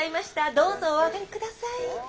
どうぞお上がり下さい。